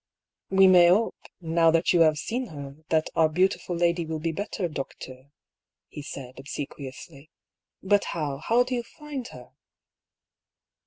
" We may hope, now that you have seen her, that our beautiful lady will be better, docteur," he said, obsequiously. " But how, how do you find her?"